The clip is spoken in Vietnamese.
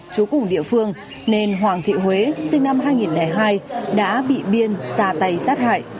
chú cùng địa phương nên hoàng thị huế sinh năm hai nghìn hai đã bị biên ra tay sát hại